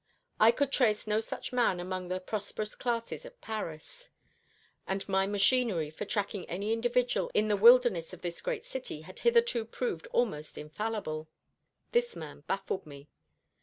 I could trace no such man among the prosperous classes of Paris, and my machinery for tracking any individual in the wilderness of this great city had hitherto proved almost infallible. This man baffled me.